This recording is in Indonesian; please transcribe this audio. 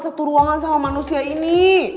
satu ruangan sama manusia ini